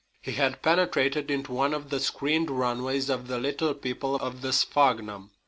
He had penetrated into one of the screened runways of the little people of the sphagnum.